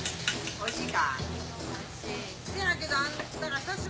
おいしい！